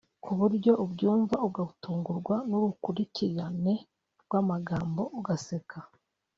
ku buryo ubyumva ugatungurwa n’urukurikirane rw’amagambo ugaseka